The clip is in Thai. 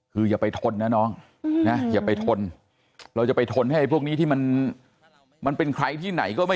คืออย่าไปทนนะน้องนะอย่าไปทนเราจะไปทนให้พวกนี้ที่มันเป็นใครที่ไหนก็ไม่